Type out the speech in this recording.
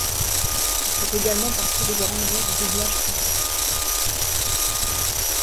Il fait également partie des grandes voix du doublage français.